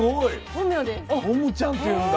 十夢ちゃんって言うんだ。